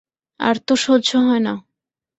আর তো সহ্য হয় না!